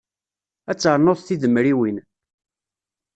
Ad ternuḍ tidemriwin.